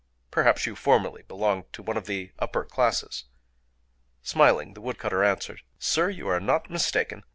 Perhaps you formerly belonged to one of the upper classes?" Smiling, the woodcutter answered:— "Sir, you are not mistaken.